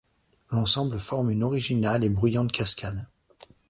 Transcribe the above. L'ensemble forme une originale et bruyante cascade.